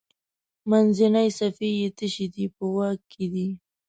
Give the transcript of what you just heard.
منځنۍ صفحې یې تشې دي په واک کې دي.